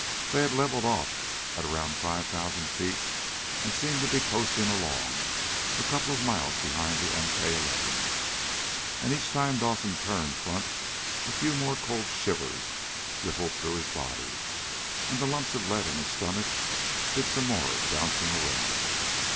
They had leveled off at around five thousand feet, and seemed to be coasting along a couple of miles behind the MK 11. And each time Dawson turned front a few more cold shivers rippled through his body. And the lumps of lead in his stomach did some more bouncing around.